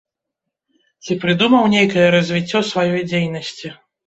Ці прыдумаў нейкае развіццё сваёй дзейнасці?